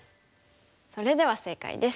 それでは正解です。